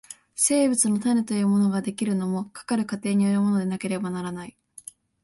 生物の種というものが出来るのも、かかる過程によるものでなければならない。